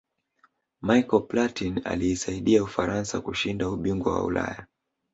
michael platin aliisaidia ufaransa kushinda ubingwa wa ulaya